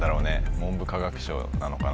文部科学省なのかな？